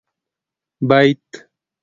بيت